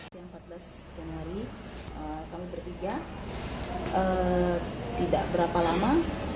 siang empat belas januari kami bertiga tidak berapa lama